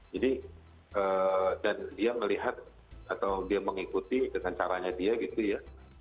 jadi dan dia melihat atau dia mengikuti dengan caranya dia gitu ya